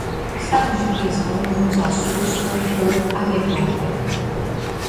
Celas de prisão não nos assustam ou amedrontam